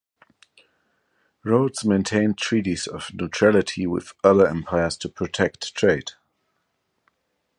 Rhodes maintained treaties of neutrality with other empires to protect trade.